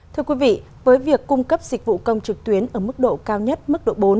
thưa quý vị với việc cung cấp dịch vụ công trực tuyến ở mức độ cao nhất mức độ bốn